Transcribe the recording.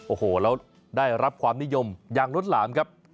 โอ้โหแล้วได้รับความนิยมอย่างล้นหลามครับ